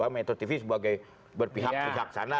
metotv sebagai berpihak pihak sana